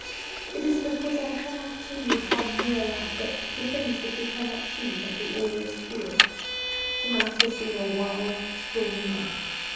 It is because I cannot tell you how near I felt to things that we cannot see but we always feel. Tonight has been a wild, stormy night.